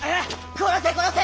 殺せ殺せ！